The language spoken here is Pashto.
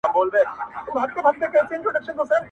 دا آخره زمانه ده په پیمان اعتبار نسته!٫.